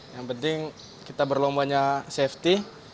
yang penting kita berlombanya safety